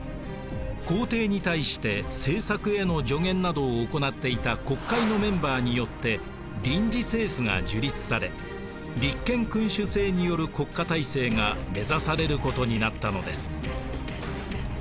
皇帝に対して政策への助言などを行っていた国会のメンバーによって臨時政府が樹立され立憲君主政による国家体制が目指されることになったのです。